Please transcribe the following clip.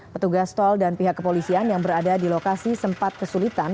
petugas tol dan pihak kepolisian yang berada di lokasi sempat kesulitan